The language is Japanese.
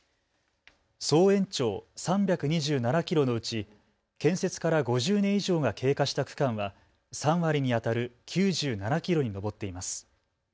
総延長３２７キロのうち建設から５０年以上が経過した区間は３割にあたる９７キロに上っています。